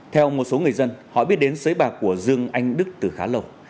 theo một số người dân họ biết đến xới bạc của dương anh đức từ khá lâu